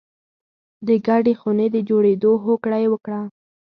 د ګډې خونې د جوړېدو هوکړه یې وکړه